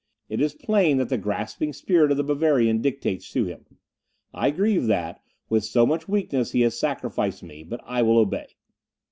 It is plain that the grasping spirit of the Bavarian dictates to him. I grieve that, with so much weakness, he has sacrificed me, but I will obey."